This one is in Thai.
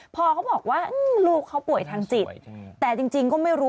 พอเขาบอกว่าลูกเขาป่วยทางจิตแต่จริงก็ไม่รู้